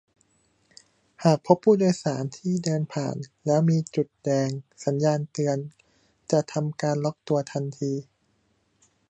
"หากพบผู้โดยสารที่เดินผ่านแล้วมีจุดแดง สัญญาณเตือน จะทำการล็อคตัวทันที"